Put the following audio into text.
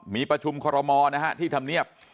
มีประชุมขอรมอนะฮะที่ทำเนียบ